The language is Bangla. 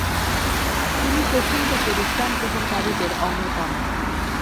তিনি প্রথম দিকের ইসলাম গ্রহণকারীদের অন্যতম।